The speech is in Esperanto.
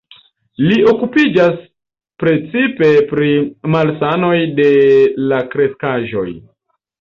Li okupiĝas precipe pri malsanoj de la kreskaĵoj.